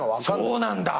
そうなんだ。